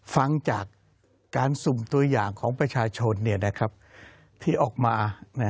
ฟังจากการสุ่มตัวอย่างของประชาชนที่ออกมา